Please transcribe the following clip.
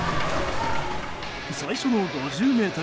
最初の５０ｍ。